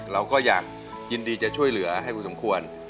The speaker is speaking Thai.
เราก็อยากยินดีจะช่วยเหลือให้คุณสมควร